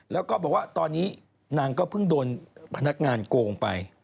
แล้วก็บอกว่าตอนนี้นางก็เพิ่งโดนพนักงานโกงไป